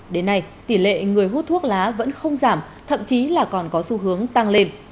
đến nay tỷ lệ người hút thuốc lá vẫn không giảm thậm chí là còn có xu hướng tăng lên